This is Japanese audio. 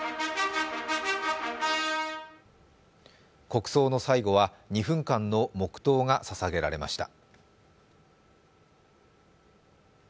国葬の最後は２分間の黙とうがささげられました。